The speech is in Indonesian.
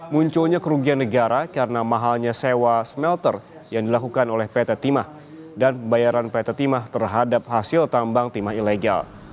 munculnya kerugian negara karena mahalnya sewa smelter yang dilakukan oleh pt timah dan pembayaran pt timah terhadap hasil tambang timah ilegal